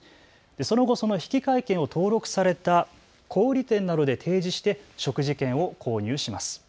その後、その引換券を登録された小売店などで提示して食事券を購入します。